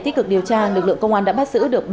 tích cực điều tra lực lượng công an đã bắt giữ được